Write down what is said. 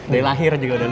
dari lahir juga udah lucu